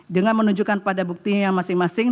dengan menunjukkan pada buktinya masing masing